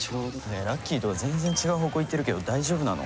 ねえラッキーとは全然違う方向行ってるけど大丈夫なの？